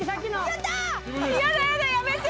やめて。